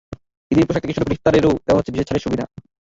ঈদের পোশাক থেকে শুরু করে ইফতারেও দেওয়া হচ্ছে বিশেষ ছাড়ের সুবিধা।